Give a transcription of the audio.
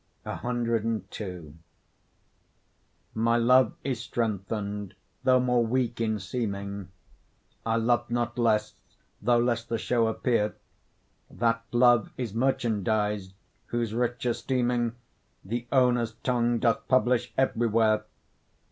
CII My love is strengthen'd, though more weak in seeming; I love not less, though less the show appear; That love is merchandiz'd, whose rich esteeming, The owner's tongue doth publish every where.